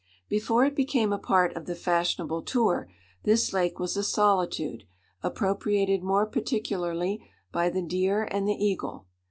Before it became a part of the fashionable tour, this lake was a solitude, appropriated more particularly by the deer and the eagle.